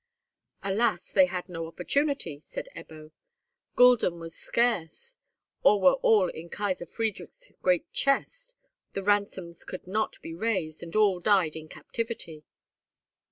"Alas! they had no opportunity," said Ebbo. "Gulden were scarce, or were all in Kaisar Friedrich's great chest; the ransoms could not be raised, and all died in captivity.